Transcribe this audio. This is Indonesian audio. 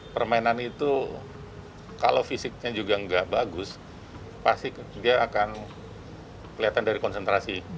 permainan itu kalau fisiknya juga nggak bagus pasti dia akan kelihatan dari konsentrasi